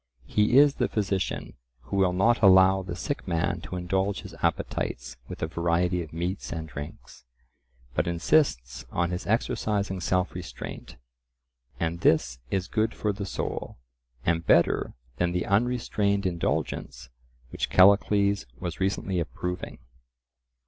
He is the physician who will not allow the sick man to indulge his appetites with a variety of meats and drinks, but insists on his exercising self restraint. And this is good for the soul, and better than the unrestrained indulgence which Callicles was recently approving.